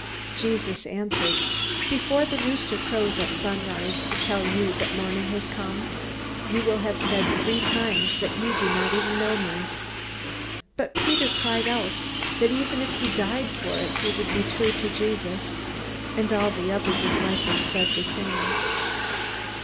Jesus answered: "Before the rooster crows at sunrise to tell you that morning has come, you will have said three times that you do not even know me." But Peter cried out that even if he died for it he would be true to Jesus. And all the other disciples said the same.